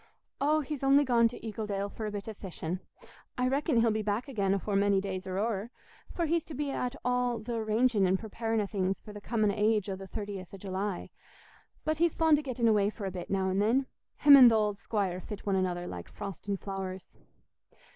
"Oh, he's only gone to Eagledale for a bit o' fishing; I reckon he'll be back again afore many days are o'er, for he's to be at all th' arranging and preparing o' things for the comin' o' age o' the 30th o' July. But he's fond o' getting away for a bit, now and then. Him and th' old squire fit one another like frost and flowers."